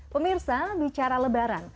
pemirsa bicara lebaran